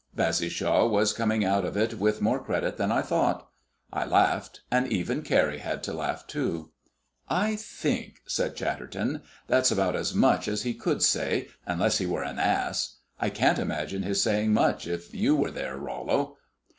Bassishaw was coming out of it with more credit than I thought. I laughed, and even Carrie had to laugh too. "I think," said Chatterton, "that's about as much as he could say, unless he were an ass. I can't imagine his saying much if you were there, Rollo."